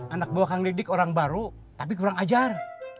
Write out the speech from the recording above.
anak buah kang didik orang baru tapi kurang ajar